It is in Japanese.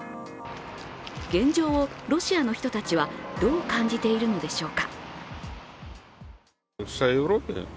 現状をロシアの人たちはどう感じているのでしょうか。